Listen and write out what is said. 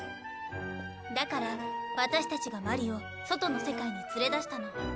だから私たちが鞠莉を外の世界に連れ出したの。